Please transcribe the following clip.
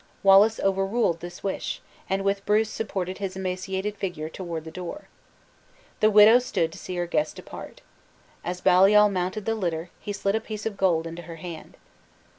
Wallace overruled this wish, and with Bruce supported his emaciated figure toward the door. The widow stood to see her guests depart. As Baliol mounted the litter, he slid a piece of gold into her hand.